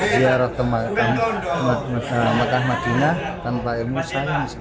ziarah ke mekah madinah tanpa ilmu sayang